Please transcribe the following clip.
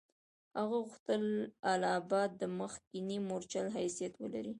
هغه غوښتل اله آباد د مخکني مورچل حیثیت ولري.